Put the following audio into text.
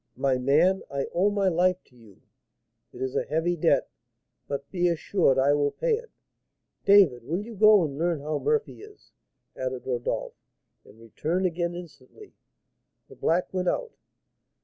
"My man, I owe my life to you; it is a heavy debt, but be assured I will pay it. David, will you go and learn how Murphy is," added Rodolph, "and return again instantly?" The black went out.